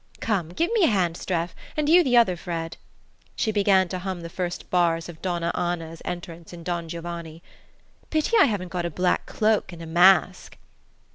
Come, give me a hand, Streff and you the other, Fred " she began to hum the first bars of Donna Anna's entrance in Don Giovanni. "Pity I haven't got a black cloak and a mask...."